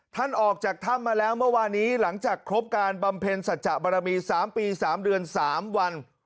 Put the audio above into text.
ท่านออกจากถ้ำมาแล้วเมื่อวานี้หลังจากครบการบำเพ็ญสัจจะบรมี๓ปี๓เดือน๓วัน